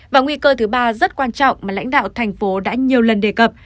và nguy cơ thứ ba rất quan trọng mà lãnh đạo thành phố đã nhiều lần đề cập